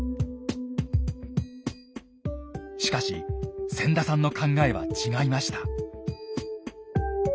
しかし千田さんの考えは違いました。